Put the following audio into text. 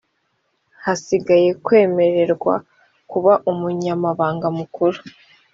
hasigaye kwemererwa kuba umunyamabanga mukuru